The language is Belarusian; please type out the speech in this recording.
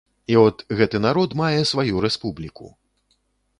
І от, гэты народ мае сваю рэспубліку.